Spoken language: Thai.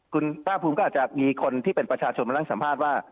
คุณภาคภูมิก็อาจจะมีคนที่เป็นประชาชนมานั่งสัมภาษณ์ว่า